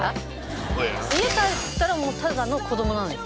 そうや家帰ったらもうただの子供なんですよ